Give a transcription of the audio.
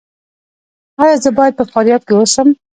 ایا زه باید په فاریاب کې اوسم؟